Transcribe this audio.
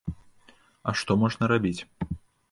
А што можна рабіць?!